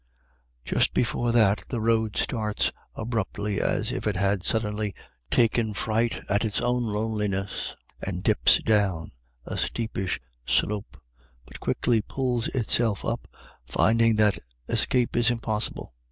Just before that, the road starts abruptly, as if it had suddenly taken fright at its own loneliness, and dips down a steepish slope, but quickly pulls itself up, finding that escape is impossible.